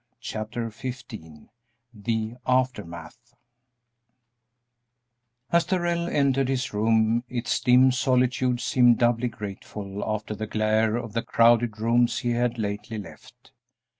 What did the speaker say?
Chapter XVI THE AFTERMATH As Darrell entered his room its dim solitude seemed doubly grateful after the glare of the crowded rooms he had lately left.